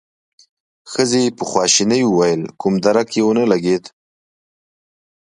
ښځې په خواشينۍ وويل: کوم درک يې ونه لګېد؟